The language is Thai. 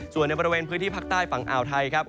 ส่วนในบริเวณพื้นที่ภาคใต้ฝั่งอ่าวไทยครับ